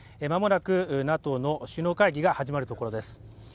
間もなくＮＡＴＯの首脳会議が始まるところです。